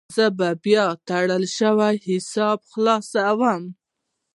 زه بیا وتړل شوی حساب خلاصوم.